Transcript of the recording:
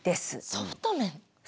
ソフト面。